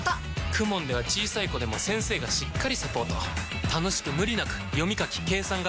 ＫＵＭＯＮ では小さい子でも先生がしっかりサポート楽しく無理なく読み書き計算が身につきます！